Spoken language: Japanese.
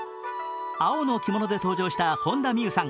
青の着物で登場した本田望結さん